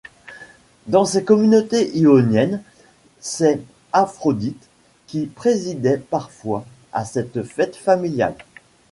Dans ces communautés ioniennes, c’est Aphrodite qui présidait parfois à cette fête familiale.